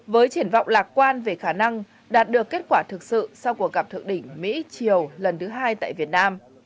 với triển vọng lạc quan về khả năng đạt được kết quả thực sự sau cuộc gặp thượng đỉnh mỹ triều lần thứ hai tại việt nam